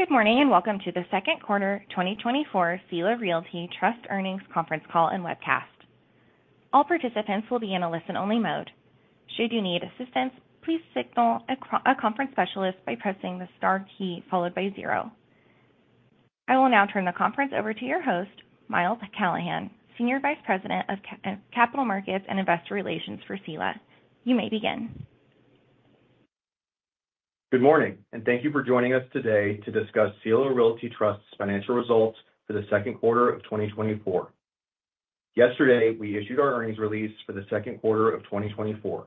Good morning, and welcome to the second quarter 2024 Sila Realty Trust earnings conference call and webcast. All participants will be in a listen-only mode. Should you need assistance, please signal a conference specialist by pressing the star key followed by zero. I will now turn the conference over to your host, Miles Callahan, Senior Vice President of Capital Markets and Investor Relations for Sila. You may begin. Good morning, and thank you for joining us today to discuss Sila Realty Trust's financial results for the second quarter of 2024. Yesterday, we issued our earnings release for the second quarter of 2024.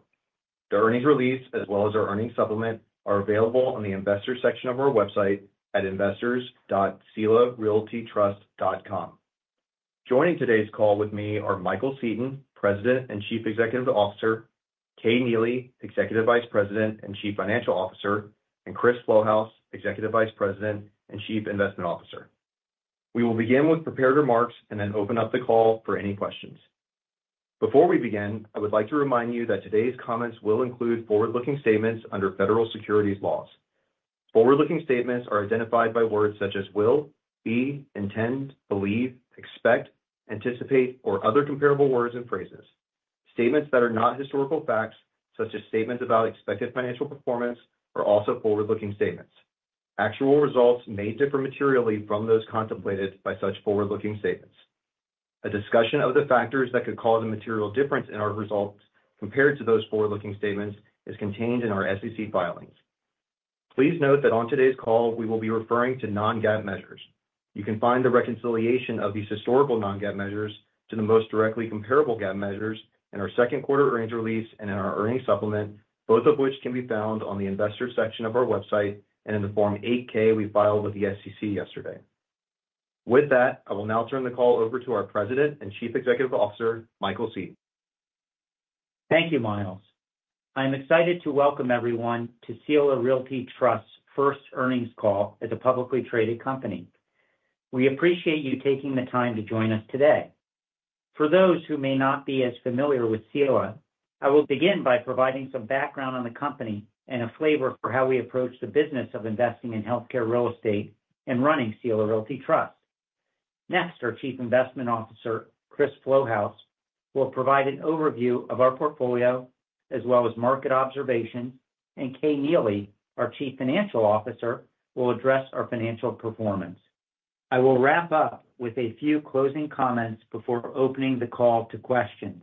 The earnings release, as well as our earnings supplement, are available on the Investors section of our website at investors.silarealtytrust.com. Joining today's call with me are Michael Seton, President and Chief Executive Officer; Kay Neely, Executive Vice President and Chief Financial Officer; and Chris Flouhouse, Executive Vice President and Chief Investment Officer. We will begin with prepared remarks and then open up the call for any questions. Before we begin, I would like to remind you that today's comments will include forward-looking statements under federal securities laws. Forward-looking statements are identified by words such as will, be, intend, believe, expect, anticipate, or other comparable words and phrases. Statements that are not historical facts, such as statements about expected financial performance, are also forward-looking statements. Actual results may differ materially from those contemplated by such forward-looking statements. A discussion of the factors that could cause a material difference in our results compared to those forward-looking statements is contained in our SEC filings. Please note that on today's call, we will be referring to non-GAAP measures. You can find the reconciliation of these historical non-GAAP measures to the most directly comparable GAAP measures in our second quarter earnings release and in our earnings supplement, both of which can be found on the Investors section of our website and in the Form 8-K we filed with the SEC yesterday. With that, I will now turn the call over to our President and Chief Executive Officer, Michael Seton. Thank you, Miles. I'm excited to welcome everyone to Sila Realty Trust's first earnings call as a publicly traded company. We appreciate you taking the time to join us today. For those who may not be as familiar with Sila, I will begin by providing some background on the company and a flavor for how we approach the business of investing in healthcare real estate and running Sila Realty Trust. Next, our Chief Investment Officer, Chris Flouhouse, will provide an overview of our portfolio, as well as market observations, and Kay Neely, our Chief Financial Officer, will address our financial performance. I will wrap up with a few closing comments before opening the call to questions.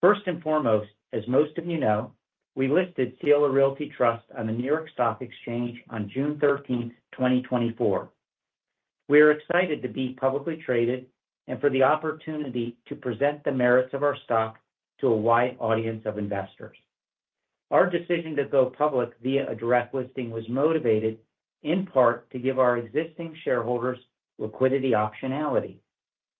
First and foremost, as most of you know, we listed Sila Realty Trust on the New York Stock Exchange on June 13, 2024. We are excited to be publicly traded and for the opportunity to present the merits of our stock to a wide audience of investors. Our decision to go public via a direct listing was motivated, in part, to give our existing shareholders liquidity optionality.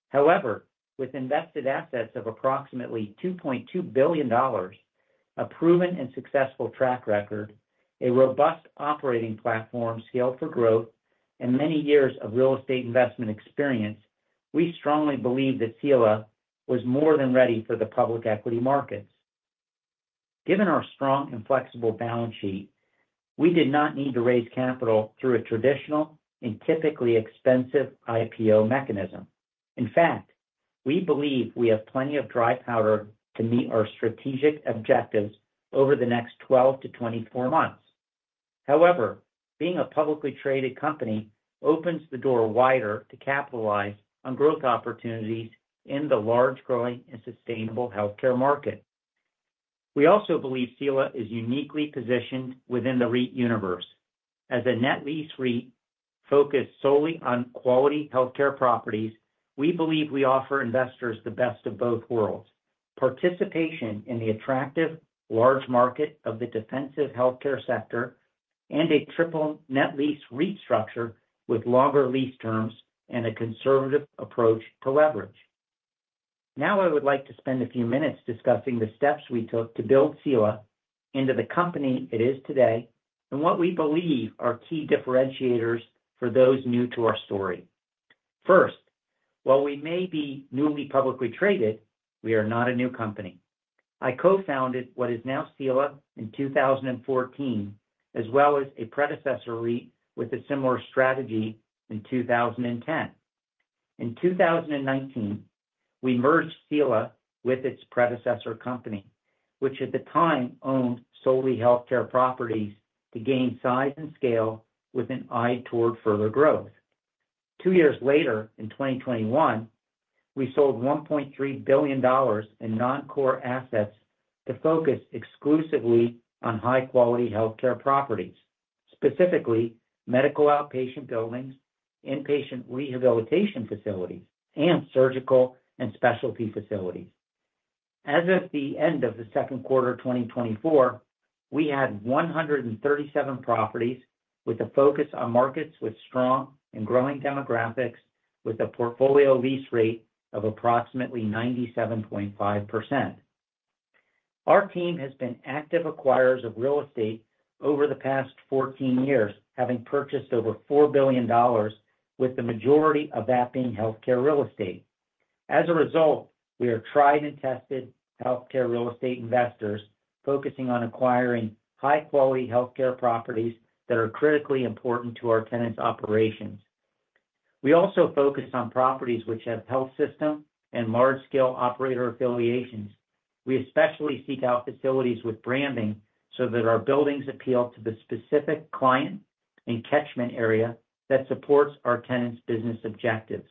However, with invested assets of approximately $2.2 billion, a proven and successful track record, a robust operating platform scaled for growth, and many years of real estate investment experience, we strongly believe that Sila was more than ready for the public equity markets. Given our strong and flexible balance sheet, we did not need to raise capital through a traditional and typically expensive IPO mechanism. In fact, we believe we have plenty of dry powder to meet our strategic objectives over the next 12-24 months. However, being a publicly traded company opens the door wider to capitalize on growth opportunities in the large, growing, and sustainable healthcare market. We also believe Sila is uniquely positioned within the REIT universe. As a net lease REIT focused solely on quality healthcare properties, we believe we offer investors the best of both worlds. Participation in the attractive large market of the defensive healthcare sector, and a triple net lease REIT structure with longer lease terms and a conservative approach to leverage. Now, I would like to spend a few minutes discussing the steps we took to build Sila into the company it is today, and what we believe are key differentiators for those new to our story. First, while we may be newly publicly traded, we are not a new company. I co-founded what is now Sila in 2014, as well as a predecessor REIT with a similar strategy in 2010. In 2019, we merged Sila with its predecessor company, which at the time owned solely healthcare properties, to gain size and scale with an eye toward further growth. Two years later, in 2021, we sold $1.3 billion in non-core assets to focus exclusively on high-quality healthcare properties, specifically medical outpatient buildings, inpatient rehabilitation facilities, and surgical and specialty facilities. As of the end of the second quarter of 2024, we had 137 properties with a focus on markets with strong and growing demographics, with a portfolio lease rate of approximately 97.5%. Our team has been active acquirers of real estate over the past 14 years, having purchased over $4 billion, with the majority of that being healthcare real estate. As a result, we are tried and tested healthcare real estate investors, focusing on acquiring high-quality healthcare properties that are critically important to our tenants' operations. We also focus on properties which have health system and large-scale operator affiliations. We especially seek out facilities with branding, so that our buildings appeal to the specific client and catchment area that supports our tenants' business objectives.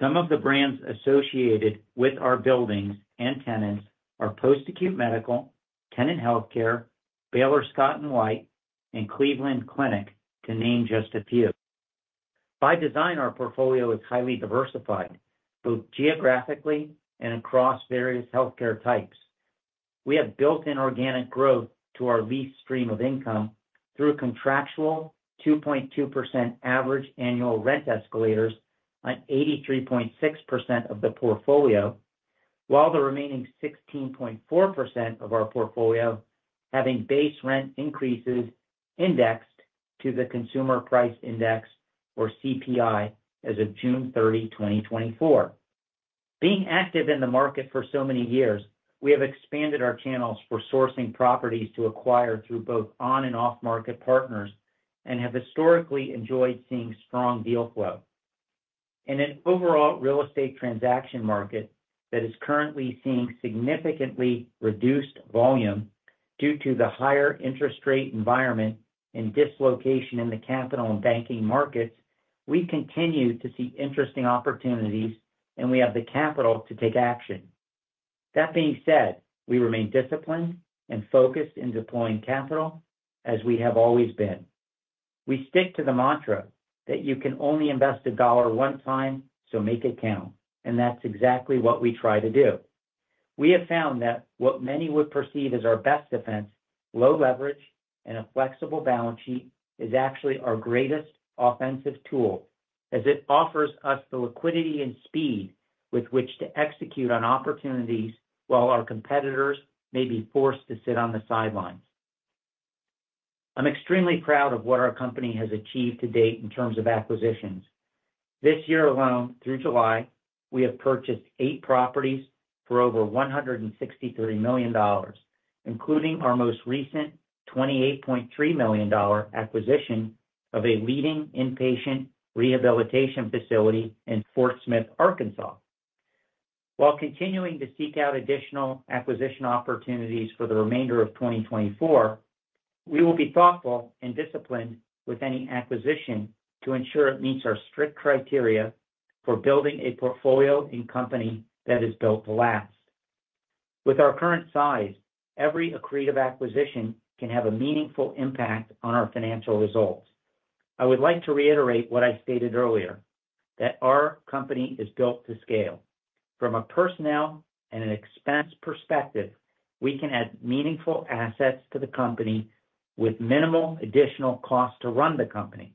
Some of the brands associated with our buildings and tenants are Post Acute Medical, Tenet Healthcare, Baylor Scott & White, and Cleveland Clinic, to name just a few. By design, our portfolio is highly diversified, both geographically and across various healthcare types. We have built-in organic growth to our lease stream of income through contractual 2.2% average annual rent escalators on 83.6% of the portfolio, while the remaining 16.4% of our portfolio, having base rent increases indexed to the Consumer Price Index, or CPI, as of June 30, 2024. Being active in the market for so many years, we have expanded our channels for sourcing properties to acquire through both on and off-market partners, and have historically enjoyed seeing strong deal flow. In an overall real estate transaction market that is currently seeing significantly reduced volume due to the higher interest rate environment and dislocation in the capital and banking markets, we continue to see interesting opportunities, and we have the capital to take action. That being said, we remain disciplined and focused in deploying capital, as we have always been. We stick to the mantra that you can only invest a dollar one time, so make it count, and that's exactly what we try to do. We have found that what many would perceive as our best defense, low leverage and a flexible balance sheet, is actually our greatest offensive tool, as it offers us the liquidity and speed with which to execute on opportunities while our competitors may be forced to sit on the sidelines. I'm extremely proud of what our company has achieved to date in terms of acquisitions. This year alone, through July, we have purchased eight properties for over $163 million, including our most recent $28.3 million acquisition of a leading inpatient rehabilitation facility in Fort Smith, Arkansas. While continuing to seek out additional acquisition opportunities for the remainder of 2024, we will be thoughtful and disciplined with any acquisition to ensure it meets our strict criteria for building a portfolio and company that is built to last. With our current size, every accretive acquisition can have a meaningful impact on our financial results. I would like to reiterate what I stated earlier, that our company is built to scale. From a personnel and an expense perspective, we can add meaningful assets to the company with minimal additional cost to run the company.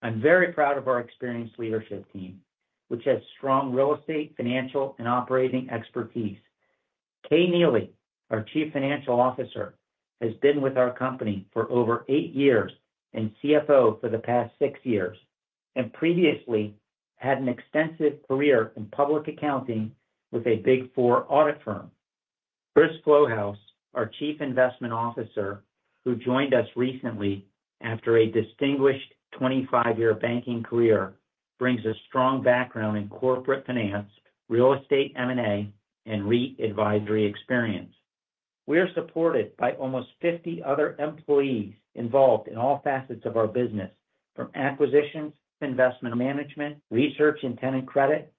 I'm very proud of our experienced leadership team, which has strong real estate, financial, and operating expertise. Kay Neely, our Chief Financial Officer, has been with our company for over eight years, and CFO for the past six years, and previously had an extensive career in public accounting with a Big Four audit firm. Chris Flouhouse, our Chief Investment Officer, who joined us recently after a distinguished 25-year banking career, brings a strong background in corporate finance, real estate M&A, and REIT advisory experience. We are supported by almost 50 other employees involved in all facets of our business, from acquisitions, investment management, research and tenant credit,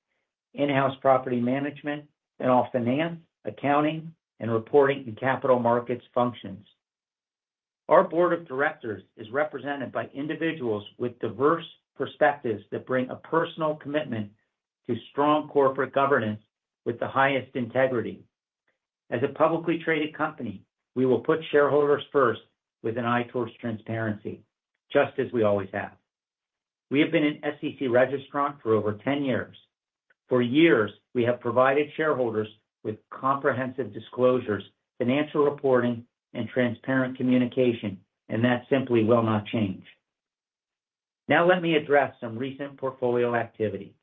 in-house property management, and all finance, accounting, and reporting, and capital markets functions. Our board of directors is represented by individuals with diverse perspectives that bring a personal commitment to strong corporate governance with the highest integrity. As a publicly traded company, we will put shareholders first with an eye towards transparency, just as we always have. We have been an SEC registrant for over 10 years. For years, we have provided shareholders with comprehensive disclosures, financial reporting, and transparent communication, and that simply will not change. Now let me address some recent portfolio activity.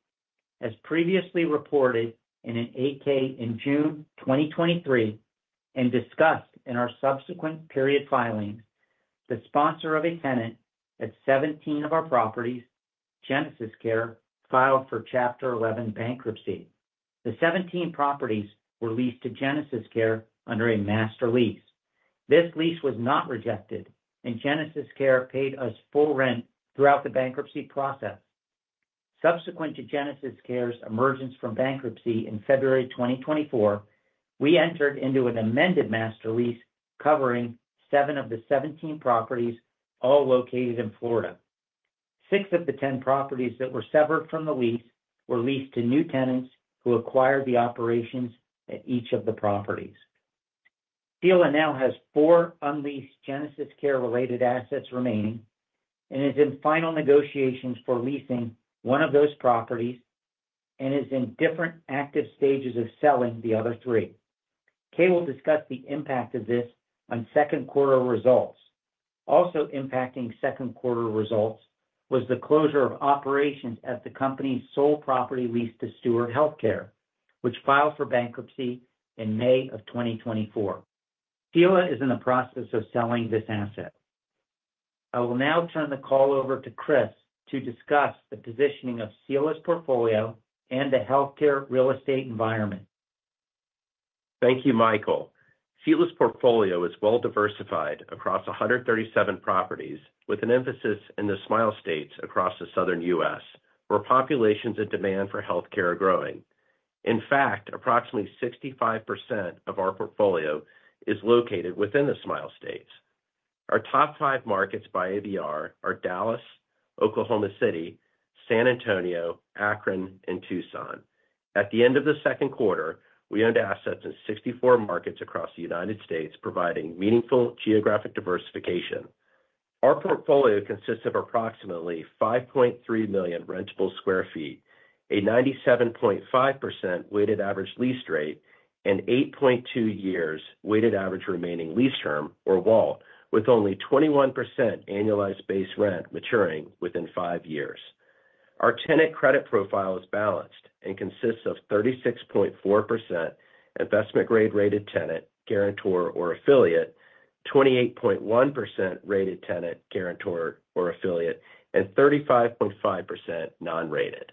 As previously reported in an 8-K in June 2023, and discussed in our subsequent period filings, the sponsor of a tenant at 17 of our properties, GenesisCare, filed for Chapter 11 bankruptcy. The 17 properties were leased to GenesisCare under a master lease. This lease was not rejected, and GenesisCare paid us full rent throughout the bankruptcy process. Subsequent to GenesisCare's emergence from bankruptcy in February 2024, we entered into an amended master lease covering seven of the 17 properties, all located in Florida. Six of the 10 properties that were severed from the lease were leased to new tenants who acquired the operations at each of the properties. Sila now has four unleased GenesisCare-related assets remaining and is in final negotiations for leasing one of those properties and is in different active stages of selling the other three.... Kay will discuss the impact of this on second quarter results. Also impacting second quarter results was the closure of operations at the company's sole property leased to Steward Health Care, which filed for bankruptcy in May 2024. Sila is in the process of selling this asset. I will now turn the call over to Chris to discuss the positioning of Sila's portfolio and the healthcare real estate environment. Thank you, Michael. Sila's portfolio is well diversified across 137 properties, with an emphasis in the Smile States across the Southern U.S., where populations and demand for healthcare are growing. In fact, approximately 65% of our portfolio is located within the Smile States. Our top five markets by ABR are Dallas, Oklahoma City, San Antonio, Akron, and Tucson. At the end of the second quarter, we owned assets in 64 markets across the United States, providing meaningful geographic diversification. Our portfolio consists of approximately 5.3 million rentable sq ft, a 97.5% weighted average lease rate, and 8.2 years weighted average remaining lease term, or WAL, with only 21% annualized base rent maturing within five years. Our tenant credit profile is balanced and consists of 36.4% investment grade rated tenant, guarantor, or affiliate, 28.1% rated tenant, guarantor, or affiliate, and 35.5% non-rated.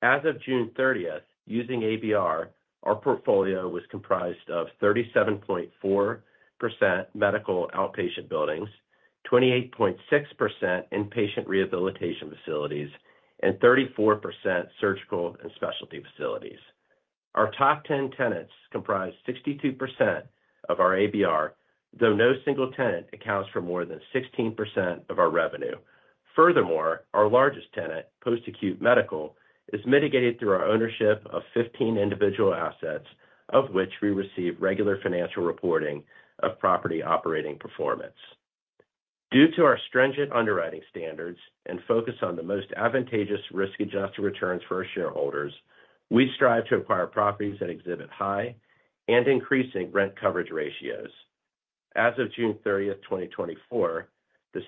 As of June 30th, using ABR, our portfolio was comprised of 37.4% medical outpatient buildings, 28.6% inpatient rehabilitation facilities, and 34% surgical and specialty facilities. Our top ten tenants comprise 62% of our ABR, though no single tenant accounts for more than 16% of our revenue. Furthermore, our largest tenant, Post Acute Medical, is mitigated through our ownership of 15 individual assets, of which we receive regular financial reporting of property operating performance. Due to our stringent underwriting standards and focus on the most advantageous risk-adjusted returns for our shareholders, we strive to acquire properties that exhibit high and increasing rent coverage ratios. As of June 30th, 2024, the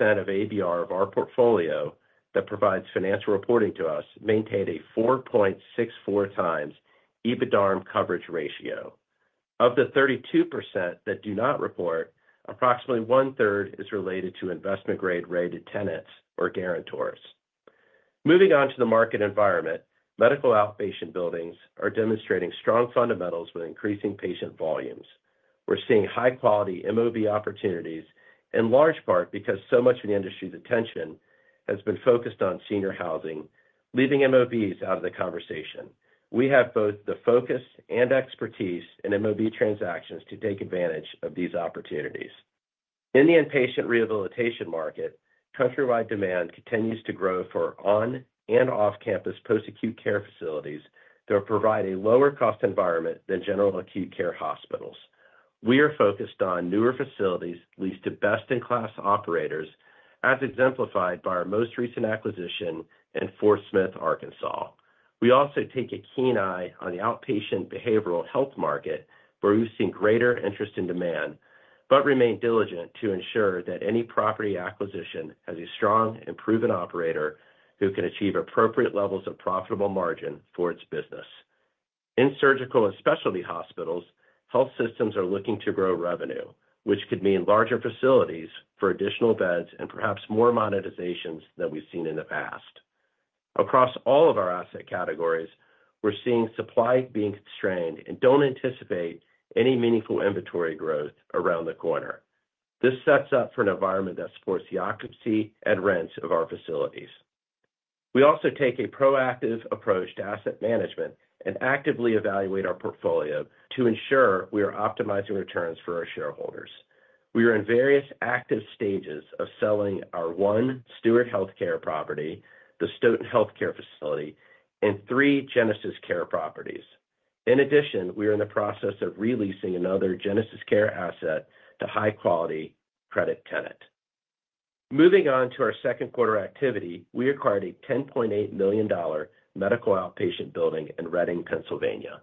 68% of ABR of our portfolio that provides financial reporting to us maintained a 4.64x EBITDARM coverage ratio. Of the 32% that do not report, approximately one-third is related to investment grade rated tenants or guarantors. Moving on to the market environment, medical outpatient buildings are demonstrating strong fundamentals with increasing patient volumes. We're seeing high-quality MOB opportunities, in large part because so much of the industry's attention has been focused on senior housing, leaving MOBs out of the conversation. We have both the focus and expertise in MOB transactions to take advantage of these opportunities. In the inpatient rehabilitation market, countrywide demand continues to grow for on- and off-campus post-acute care facilities that provide a lower cost environment than general acute care hospitals. We are focused on newer facilities, leased to best-in-class operators, as exemplified by our most recent acquisition in Fort Smith, Arkansas. We also take a keen eye on the outpatient behavioral health market, where we've seen greater interest and demand, but remain diligent to ensure that any property acquisition has a strong and proven operator who can achieve appropriate levels of profitable margin for its business. In surgical and specialty hospitals, health systems are looking to grow revenue, which could mean larger facilities for additional beds and perhaps more monetizations than we've seen in the past. Across all of our asset categories, we're seeing supply being constrained and don't anticipate any meaningful inventory growth around the corner. This sets up for an environment that supports the occupancy and rents of our facilities. We also take a proactive approach to asset management and actively evaluate our portfolio to ensure we are optimizing returns for our shareholders. We are in various active stages of selling our one Steward Health Care property, the Stoughton healthcare facility, and three GenesisCare properties. In addition, we are in the process of releasing another GenesisCare asset to high-quality credit tenant. Moving on to our second quarter activity, we acquired a $10.8 million medical outpatient building in Reading, Pennsylvania.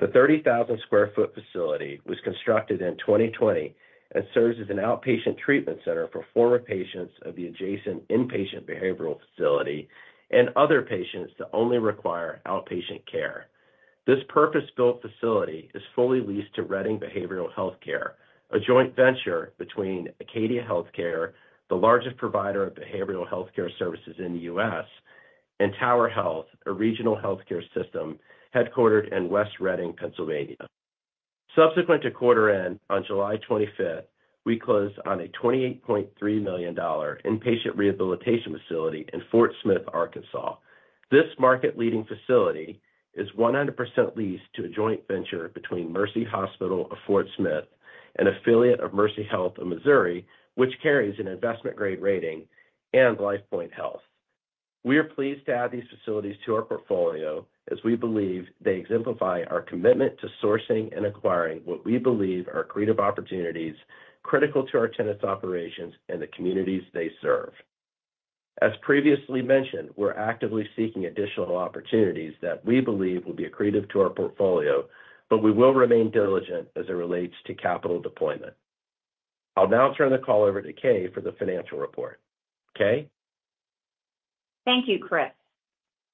The 30,000 sq ft facility was constructed in 2020 and serves as an outpatient treatment center for former patients of the adjacent inpatient behavioral facility and other patients that only require outpatient care. This purpose-built facility is fully leased to Reading Behavioral Health Care, a joint venture between Acadia Healthcare, the largest provider of behavioral healthcare services in the U.S., and Tower Health, a regional healthcare system headquartered in West Reading, Pennsylvania. Subsequent to quarter end, on July 25th, we closed on a $28.3 million inpatient rehabilitation facility in Fort Smith, Arkansas. This market-leading facility is 100% leased to a joint venture between Mercy Hospital of Fort Smith, an affiliate of Mercy Health of Missouri, which carries an investment grade rating, and Lifepoint Health. We are pleased to add these facilities to our portfolio, as we believe they exemplify our commitment to sourcing and acquiring what we believe are creative opportunities, critical to our tenants' operations and the communities they serve.... As previously mentioned, we're actively seeking additional opportunities that we believe will be accretive to our portfolio, but we will remain diligent as it relates to capital deployment. I'll now turn the call over to Kay for the financial report. Kay? Thank you, Chris.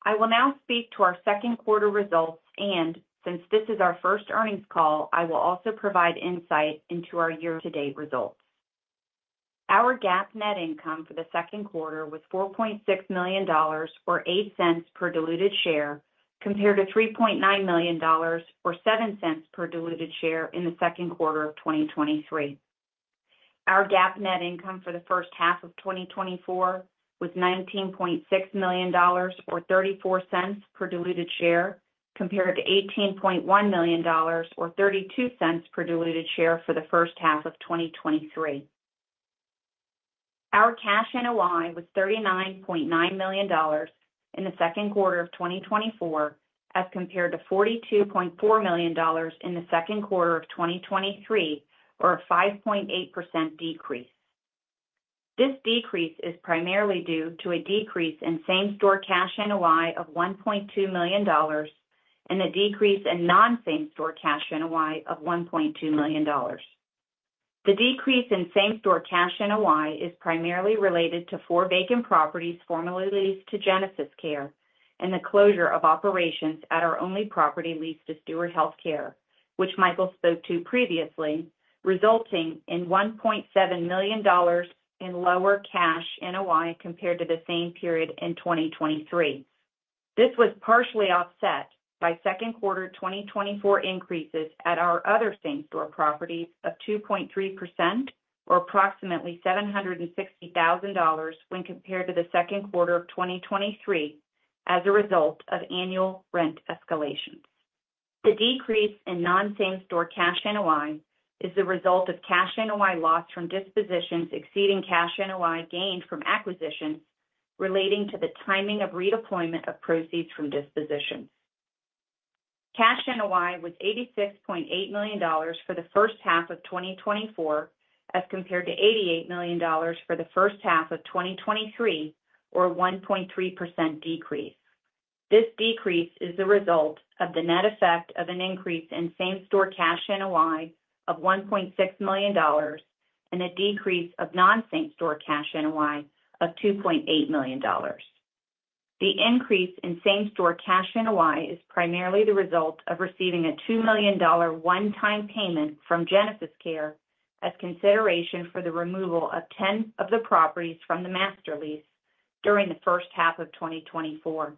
I will now speak to our second quarter results, and since this is our first earnings call, I will also provide insight into our year-to-date results. Our GAAP net income for the second quarter was $4.6 million, or $0.08 per diluted share, compared to $3.9 million, or $0.07 per diluted share in the second quarter of 2023. Our GAAP net income for the first half of 2024 was $19.6 million, or $0.34 per diluted share, compared to $18.1 million, or $0.32 per diluted share for the first half of 2023. Our cash NOI was $39.9 million in the second quarter of 2024, as compared to $42.4 million in the second quarter of 2023, or a 5.8% decrease. This decrease is primarily due to a decrease in same-store cash NOI of $1.2 million and a decrease in non-same-store cash NOI of $1.2 million. The decrease in same-store cash NOI is primarily related to four vacant properties formerly leased to GenesisCare and the closure of operations at our only property leased to Steward Health Care, which Michael spoke to previously, resulting in $1.7 million in lower cash NOI compared to the same period in 2023. This was partially offset by second quarter 2024 increases at our other same-store properties of 2.3%, or approximately $760,000 when compared to the second quarter of 2023 as a result of annual rent escalations. The decrease in non-same-store cash NOI is the result of cash NOI loss from dispositions exceeding cash NOI gained from acquisitions relating to the timing of redeployment of proceeds from dispositions. Cash NOI was $86.8 million for the first half of 2024, as compared to $88 million for the first half of 2023, or 1.3% decrease. This decrease is the result of the net effect of an increase in same-store cash NOI of $1.6 million and a decrease of non-same-store cash NOI of $2.8 million. The increase in same-store cash NOI is primarily the result of receiving a $2 million one-time payment from GenesisCare as consideration for the removal of 10 of the properties from the master lease during the first half of 2024.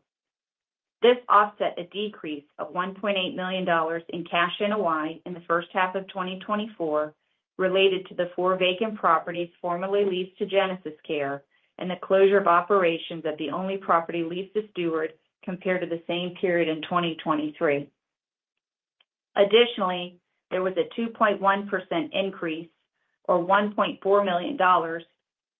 This offset a decrease of $1.8 million in cash NOI in the first half of 2024, related to the four vacant properties formerly leased to GenesisCare and the closure of operations at the only property leased to Steward compared to the same period in 2023. Additionally, there was a 2.1% increase, or $1.4 million,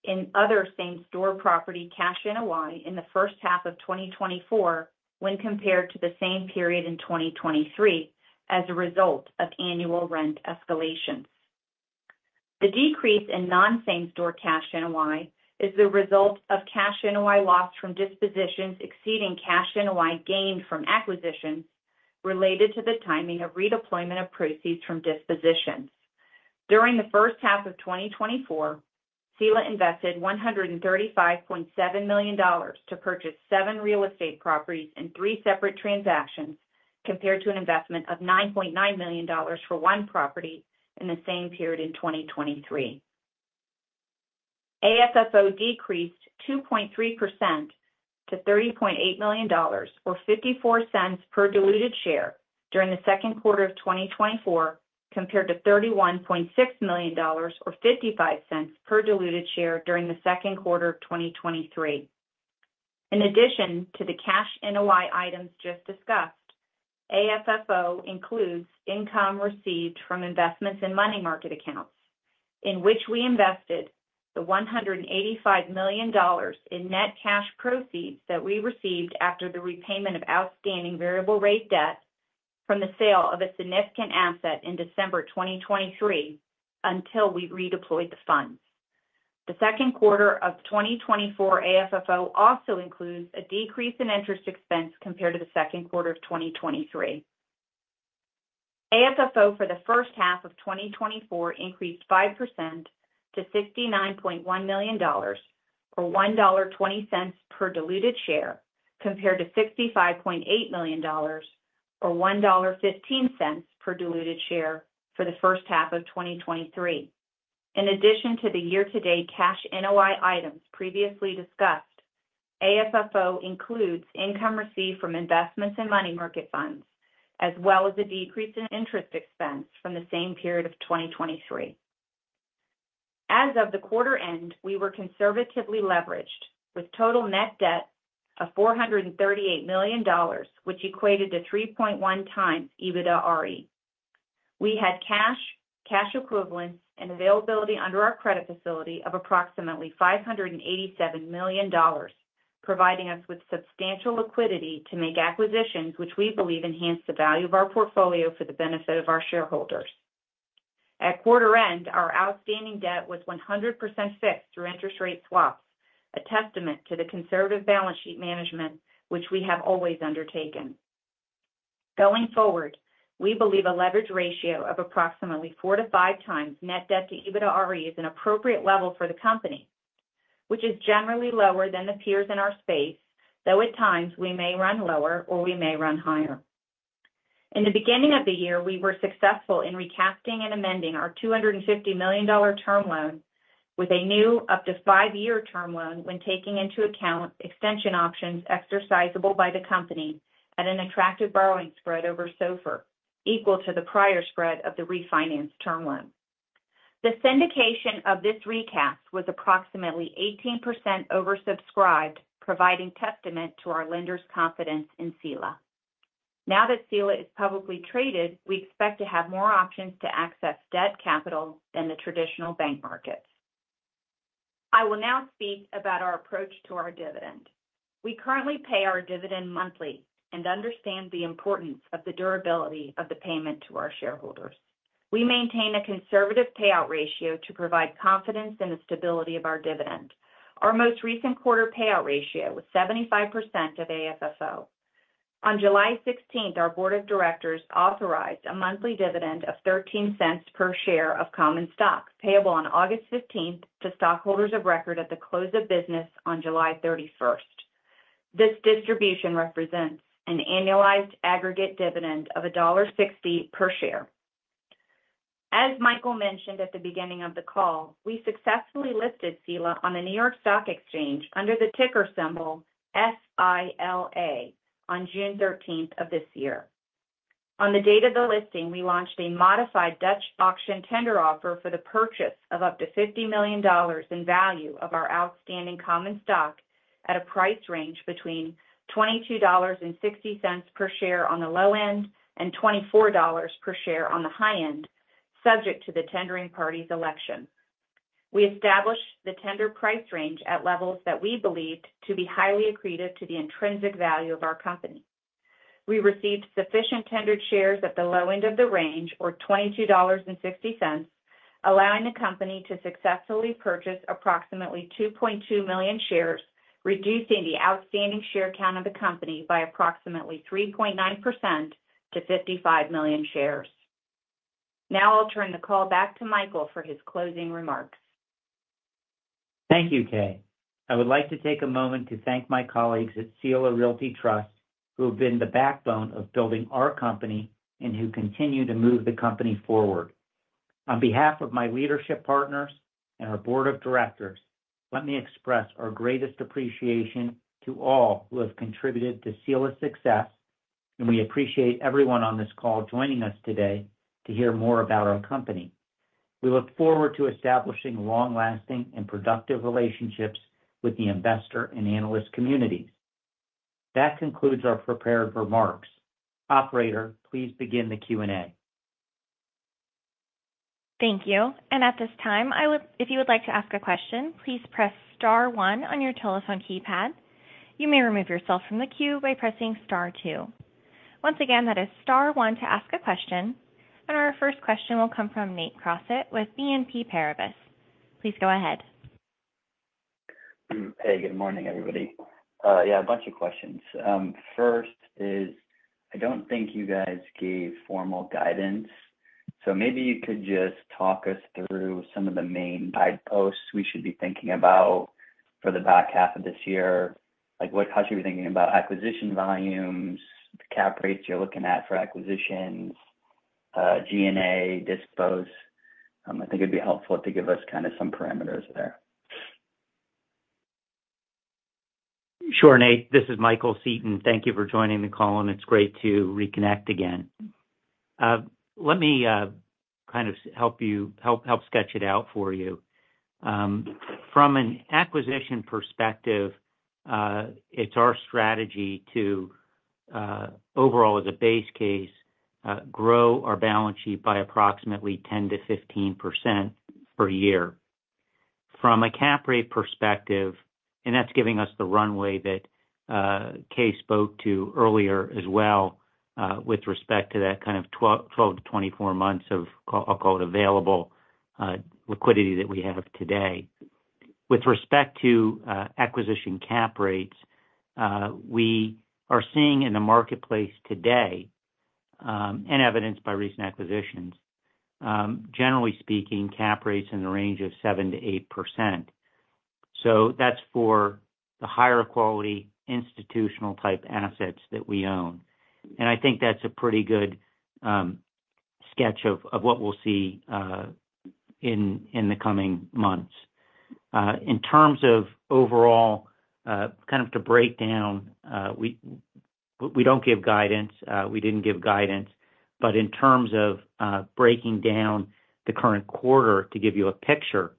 in other same-store property cash NOI in the first half of 2024, when compared to the same period in 2023, as a result of annual rent escalations. The decrease in non-same-store cash NOI is the result of cash NOI loss from dispositions exceeding cash NOI gained from acquisitions related to the timing of redeployment of proceeds from dispositions. During the first half of 2024, Sila invested $135.7 million to purchase seven real estate properties in three separate transactions, compared to an investment of $9.9 million for one property in the same period in 2023. AFFO decreased 2.3% to $30.8 million, or $0.54 per diluted share during the second quarter of 2024, compared to $31.6 million, or $0.55 per diluted share during the second quarter of 2023. In addition to the cash NOI items just discussed, AFFO includes income received from investments in money market accounts, in which we invested the $185 million in net cash proceeds that we received after the repayment of outstanding variable rate debt from the sale of a significant asset in December 2023, until we redeployed the funds. The second quarter of 2024 AFFO also includes a decrease in interest expense compared to the second quarter of 2023. AFFO for the first half of 2024 increased 5% to $69.1 million, or $1.20 per diluted share, compared to $65.8 million, or $1.15 per diluted share for the first half of 2023. In addition to the year-to-date cash NOI items previously discussed, AFFO includes income received from investments in money market funds, as well as a decrease in interest expense from the same period of 2023. As of the quarter end, we were conservatively leveraged with total net debt of $438 million, which equated to 3.1x EBITDARE. We had cash, cash equivalents, and availability under our credit facility of approximately $587 million, providing us with substantial liquidity to make acquisitions, which we believe enhance the value of our portfolio for the benefit of our shareholders. At quarter end, our outstanding debt was 100% fixed through interest rate swaps, a testament to the conservative balance sheet management which we have always undertaken. Going forward, we believe a leverage ratio of approximately four to five times net debt to EBITDARE is an appropriate level for the company, which is generally lower than the peers in our space, though at times we may run lower or we may run higher. In the beginning of the year, we were successful in recasting and amending our $250 million term loan with a new up to five-year term loan, when taking into account extension options exercisable by the company at an attractive borrowing spread over SOFR, equal to the prior spread of the refinanced term loan. The syndication of this recast was approximately 18% oversubscribed, providing testament to our lenders' confidence in Sila. Now that Sila is publicly traded, we expect to have more options to access debt capital than the traditional bank markets. I will now speak about our approach to our dividend. We currently pay our dividend monthly and understand the importance of the durability of the payment to our shareholders. We maintain a conservative payout ratio to provide confidence in the stability of our dividend. Our most recent quarter payout ratio was 75% of AFFO. On July 16, our board of directors authorized a monthly dividend of $0.13 per share of common stock, payable on August 15 to stockholders of record at the close of business on July 31st. This distribution represents an annualized aggregate dividend of $1.60 per share. As Michael mentioned at the beginning of the call, we successfully listed Sila on the New York Stock Exchange under the ticker symbol S-I-L-A on June 13 of this year. On the date of the listing, we launched a modified Dutch auction tender offer for the purchase of up to $50 million in value of our outstanding common stock at a price range between $22.60 per share on the low end, and $24 per share on the high end, subject to the tendering party's election. We established the tender price range at levels that we believed to be highly accretive to the intrinsic value of our company. We received sufficient tendered shares at the low end of the range, or $22.60, allowing the company to successfully purchase approximately 2.2 million shares, reducing the outstanding share count of the company by approximately 3.9% to 55 million shares. Now I'll turn the call back to Michael for his closing remarks. Thank you, Kay. I would like to take a moment to thank my colleagues at Sila Realty Trust, who have been the backbone of building our company and who continue to move the company forward. On behalf of my leadership partners and our board of directors, let me express our greatest appreciation to all who have contributed to Sila's success, and we appreciate everyone on this call joining us today to hear more about our company. We look forward to establishing long-lasting and productive relationships with the investor and analyst communities. That concludes our prepared remarks. Operator, please begin the Q&A. Thank you. At this time, if you would like to ask a question, please press star one on your telephone keypad. You may remove yourself from the queue by pressing star two. Once again, that is star one to ask a question, and our first question will come from Nate Crossett with BNP Paribas. Please go ahead. Hey, good morning, everybody. Yeah, a bunch of questions. First is, I don't think you guys gave formal guidance, so maybe you could just talk us through some of the main guideposts we should be thinking about for the back half of this year. Like, what how should we be thinking about acquisition volumes, the cap rates you're looking at for acquisitions, GNA, dispose? I think it'd be helpful to give us kind of some parameters there. Sure, Nate, this is Michael Seton. Thank you for joining the call, and it's great to reconnect again. Let me kind of help you sketch it out for you. From an acquisition perspective, it's our strategy to, overall, as a base case, grow our balance sheet by approximately 10%-15% per year. From a cap rate perspective, and that's giving us the runway that Kay spoke to earlier as well, with respect to that kind of 12-24 months of, I'll call it available liquidity that we have today. With respect to acquisition cap rates, we are seeing in the marketplace today, and evidenced by recent acquisitions, generally speaking, cap rates in the range of 7%-8%. So that's for the higher quality institutional-type assets that we own. I think that's a pretty good sketch of what we'll see in the coming months. In terms of overall, kind of to break down, we don't give guidance, we didn't give guidance, but in terms of breaking down the current quarter to give you a picture,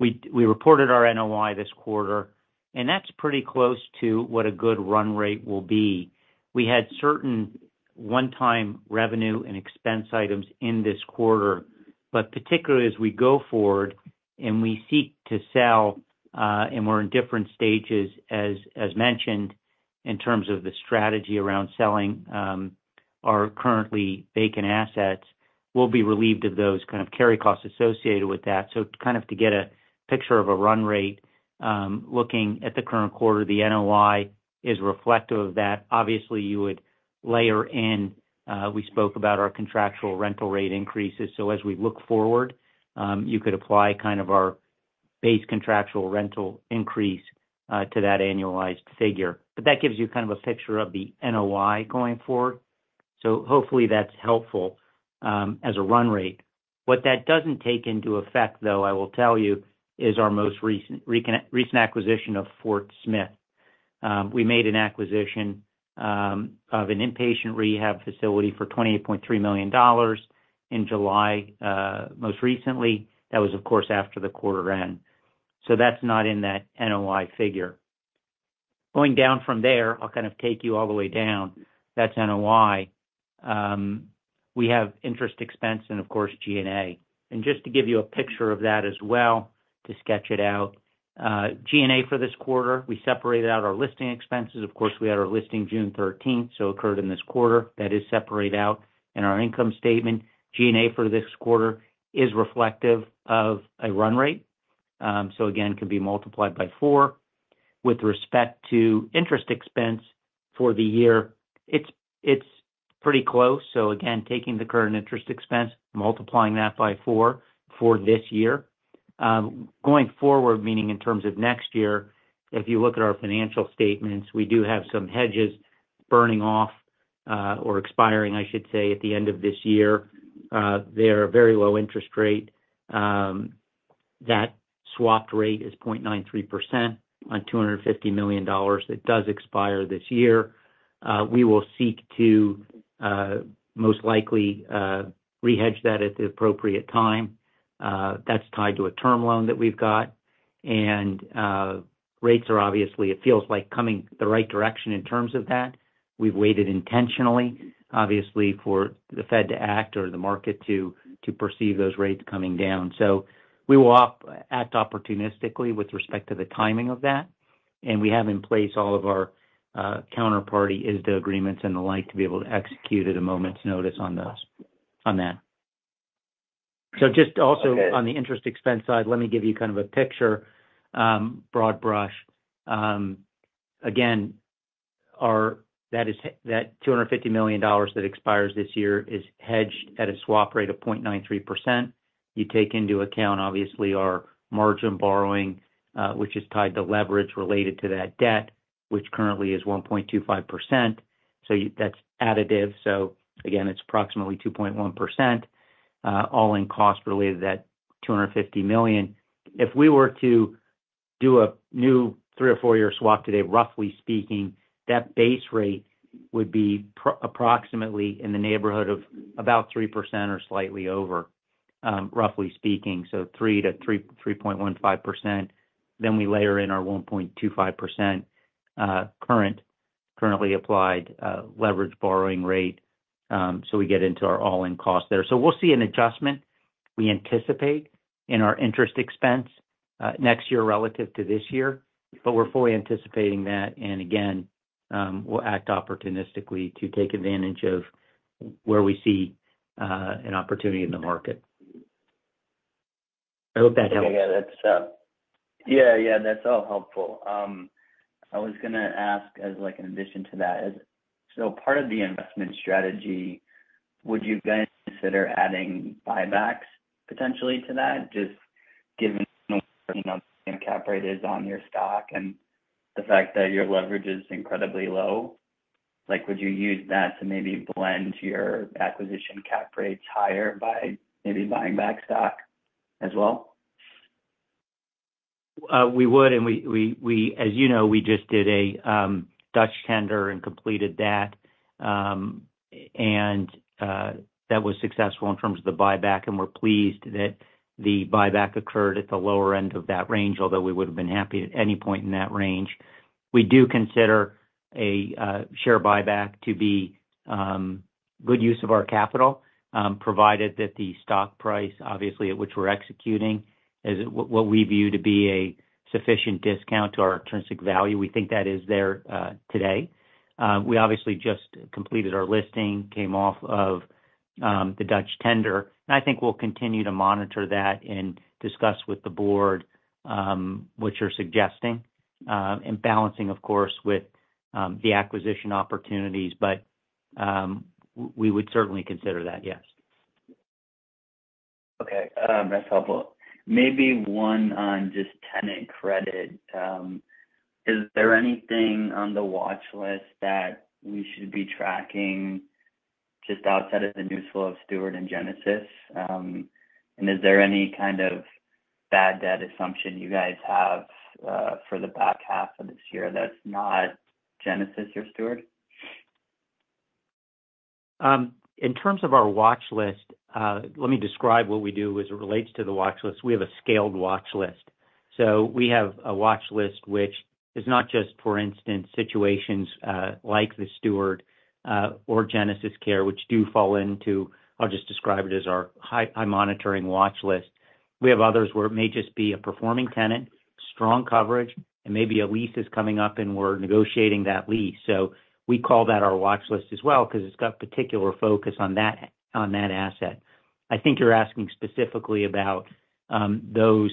we reported our NOI this quarter, and that's pretty close to what a good run rate will be. We had certain one-time revenue and expense items in this quarter, but particularly as we go forward and we seek to sell, and we're in different stages, as mentioned, in terms of the strategy around selling our currently vacant assets, we'll be relieved of those kind of carry costs associated with that. So kind of to get a picture of a run rate, looking at the current quarter, the NOI is reflective of that. Obviously, you would layer in, we spoke about our contractual rental rate increases. So as we look forward, you could apply kind of our base contractual rental increase, to that annualized figure. But that gives you kind of a picture of the NOI going forward. So hopefully, that's helpful, as a run rate. What that doesn't take into effect, though, I will tell you, is our most recent acquisition of Fort Smith. We made an acquisition, of an inpatient rehab facility for $28.3 million in July, most recently. That was, of course, after the quarter end. So that's not in that NOI figure. Going down from there, I'll kind of take you all the way down. That's NOI. We have interest expense and, of course, G&A. And just to give you a picture of that as well, to sketch it out, G&A for this quarter, we separated out our listing expenses. Of course, we had our listing June thirteenth, so occurred in this quarter. That is separated out in our income statement. G&A for this quarter is reflective of a run rate, so again, can be multiplied by four. With respect to interest expense for the year, it's, it's pretty close. So again, taking the current interest expense, multiplying that by four for this year. Going forward, meaning in terms of next year, if you look at our financial statements, we do have some hedges burning off, or expiring, I should say, at the end of this year. They are a very low interest rate. That swapped rate is 0.93% on $250 million. It does expire this year. We will seek to, most likely, rehedge that at the appropriate time. That's tied to a term loan that we've got. And, rates are obviously, it feels like, coming the right direction in terms of that. We've waited intentionally, obviously, for the Fed to act or the market to, to perceive those rates coming down. So we will act opportunistically with respect to the timing of that, and we have in place all of our, counterparty ISDA agreements and the like, to be able to execute at a moment's notice on those, on that. So just also on the interest expense side, let me give you kind of a picture, broad brush. Again, our-- that is, that $250 million that expires this year is hedged at a swap rate of 0.93%. You take into account, obviously, our margin borrowing, which is tied to leverage related to that debt, which currently is 1.25%. So that's additive. So again, it's approximately 2.1%, all-in costs related to that $250 million. If we were to do a new three- or four-year swap today, roughly speaking, that base rate would be approximately in the neighborhood of about 3% or slightly over, roughly speaking, so 3%-3.15%. Then we layer in our 1.25%, currently applied, leverage borrowing rate, so we get into our all-in cost there. So we'll see an adjustment, we anticipate, in our interest expense next year relative to this year, but we're fully anticipating that. And again, we'll act opportunistically to take advantage of where we see an opportunity in the market. I hope that helps. Yeah, yeah, that's all helpful. I was gonna ask as, like, an addition to that, as so part of the investment strategy, would you guys consider adding buybacks potentially to that, just given, you know, the cap rate is on your stock and the fact that your leverage is incredibly low? Like, would you use that to maybe blend your acquisition cap rates higher by maybe buying back stock as well? We would, and as you know, we just did a Dutch auction and completed that. That was successful in terms of the buyback, and we're pleased that the buyback occurred at the lower end of that range, although we would've been happy at any point in that range. We do consider a share buyback to be good use of our capital, provided that the stock price, obviously, at which we're executing, is at what we view to be a sufficient discount to our intrinsic value. We think that is there today. We obviously just completed our listing, came off of the Dutch auction, and I think we'll continue to monitor that and discuss with the board what you're suggesting and balancing, of course, with the acquisition opportunities. But, we would certainly consider that, yes. Okay, that's helpful. Maybe one on just tenant credit. Is there anything on the watch list that we should be tracking just outside of the news flow of Steward and Genesis? And is there any kind of bad debt assumption you guys have, for the back half of this year that's not Genesis or Steward? In terms of our watch list, let me describe what we do as it relates to the watch list. We have a scaled watch list. So we have a watch list, which is not just, for instance, situations, like the Steward, or GenesisCare, which do fall into, I'll just describe it, as our high, high monitoring watch list.... We have others where it may just be a performing tenant, strong coverage, and maybe a lease is coming up, and we're negotiating that lease. So we call that our watch list as well, because it's got particular focus on that, on that asset. I think you're asking specifically about, those,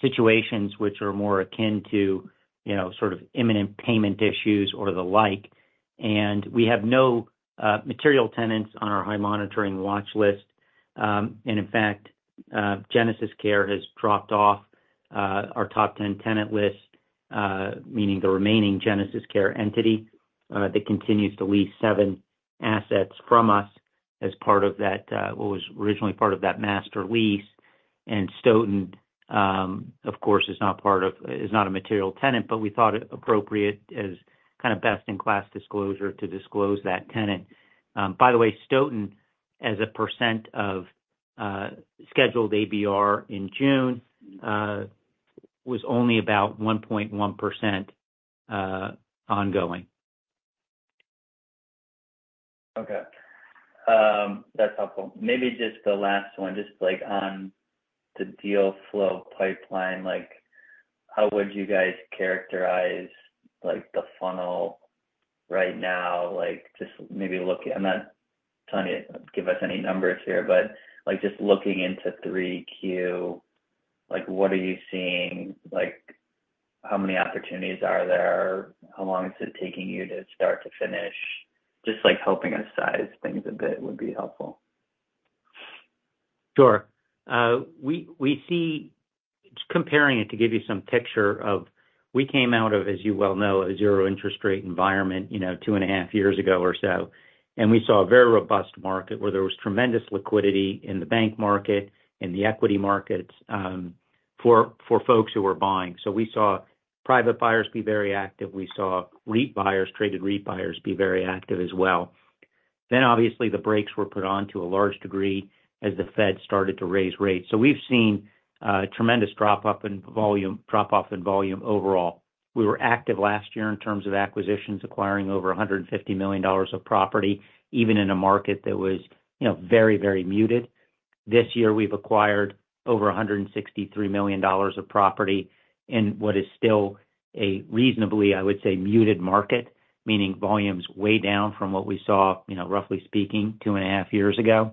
situations which are more akin to, you know, sort of imminent payment issues or the like. And we have no, material tenants on our high monitoring watch list. In fact, GenesisCare has dropped off our top 10 tenant list, meaning the remaining GenesisCare entity that continues to lease seven assets from us as part of that what was originally part of that master lease. And Stoughton, of course, is not part of is not a material tenant, but we thought it appropriate as kind of best-in-class disclosure to disclose that tenant. By the way, Stoughton, as a percent of scheduled ABR in June, was only about 1.1%, ongoing. Okay. That's helpful. Maybe just the last one, just like on the deal flow pipeline, like, how would you guys characterize, like, the funnel right now? Like, just maybe look... I'm not telling you, give us any numbers here, but, like, just looking into 3Q, like, what are you seeing? Like, how many opportunities are there? How long is it taking you to start to finish? Just, like, helping us size things a bit would be helpful. Sure. We see, comparing it to give you some picture of... We came out of, as you well know, a zero interest rate environment, you know, 2.5 years ago or so, and we saw a very robust market where there was tremendous liquidity in the bank market, in the equity markets, for folks who were buying. So we saw private buyers be very active. We saw REIT buyers, traded REIT buyers, be very active as well. Then, obviously, the brakes were put on to a large degree as the Fed started to raise rates. So we've seen a tremendous drop off in volume overall. We were active last year in terms of acquisitions, acquiring over $150 million of property, even in a market that was, you know, very, very muted. This year, we've acquired over $163 million of property in what is still a reasonably, I would say, muted market, meaning volume's way down from what we saw, you know, roughly speaking, two and a half years ago.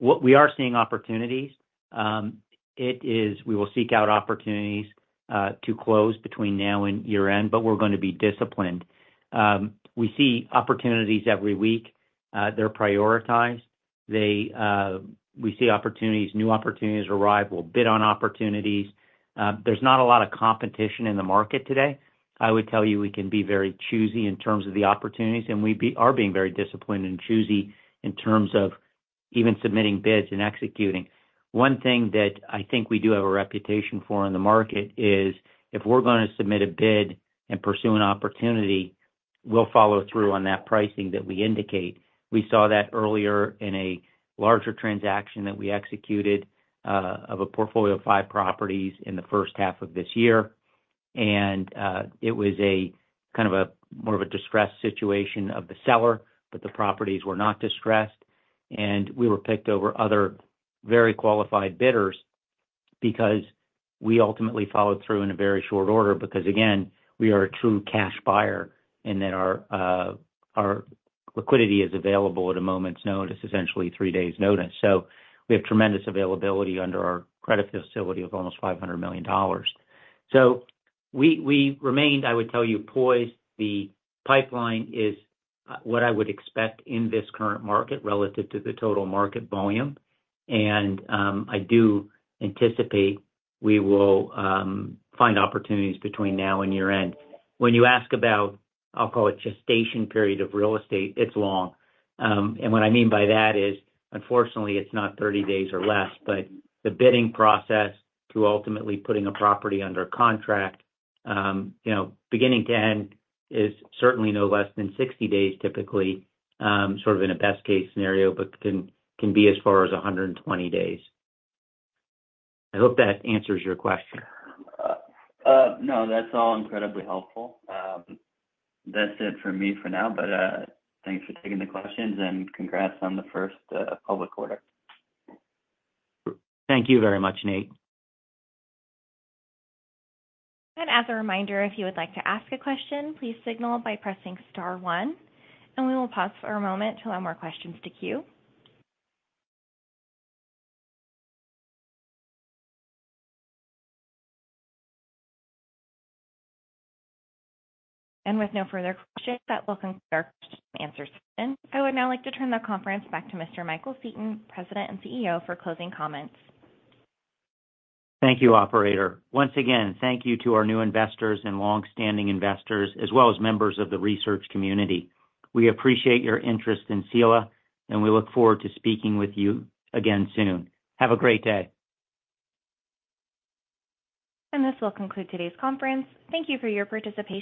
We are seeing opportunities. We will seek out opportunities to close between now and year-end, but we're going to be disciplined. We see opportunities every week. They're prioritized. They, we see opportunities, new opportunities arrive. We'll bid on opportunities. There's not a lot of competition in the market today. I would tell you, we can be very choosy in terms of the opportunities, and we are being very disciplined and choosy in terms of even submitting bids and executing. One thing that I think we do have a reputation for in the market is, if we're going to submit a bid and pursue an opportunity, we'll follow through on that pricing that we indicate. We saw that earlier in a larger transaction that we executed, of a portfolio of five properties in the first half of this year, and, it was a kind of a, more of a distressed situation of the seller, but the properties were not distressed, and we were picked over other very qualified bidders because we ultimately followed through in a very short order. Because, again, we are a true cash buyer, and then our, our liquidity is available at a moment's notice, essentially three days' notice. So we have tremendous availability under our credit facility of almost $500 million. So we, we remained, I would tell you, poised. The pipeline is what I would expect in this current market relative to the total market volume, and I do anticipate we will find opportunities between now and year-end. When you ask about, I'll call it, gestation period of real estate, it's long. And what I mean by that is, unfortunately, it's not 30 days or less, but the bidding process through ultimately putting a property under a contract, you know, beginning to end, is certainly no less than 60 days, typically, sort of in a best-case scenario, but can be as far as 120 days. I hope that answers your question. No, that's all incredibly helpful. That's it for me for now, but thanks for taking the questions, and congrats on the first public quarter. Thank you very much, Nate. As a reminder, if you would like to ask a question, please signal by pressing star one, and we will pause for a moment to allow more questions to queue. With no further questions, that will conclude our question and answer session. I would now like to turn the conference back to Mr. Michael Seton, President and CEO, for closing comments. Thank you, operator. Once again, thank you to our new investors and longstanding investors, as well as members of the research community. We appreciate your interest in Sila, and we look forward to speaking with you again soon. Have a great day. This will conclude today's conference. Thank you for your participation.